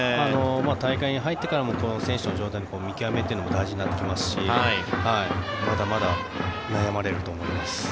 大会に入ってからも選手の状態の見極めというのも大事になってきますしまだまだ悩まれると思います。